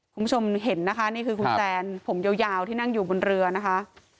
คุณผู้ชมเห็นนะคะนี่คือคุณแซนผมยาวที่นั่งอยู่บนเรือนะคะ